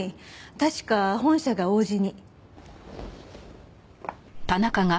確か本社が王子に。